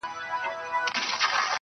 ژوند مي هيڅ نه دى ژوند څه كـړم.